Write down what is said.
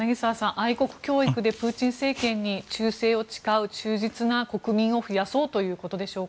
愛国教育でプーチン政権に忠誠を誓う、忠実な国民を増やそうということでしょうか。